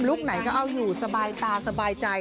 คไหนก็เอาอยู่สบายตาสบายใจ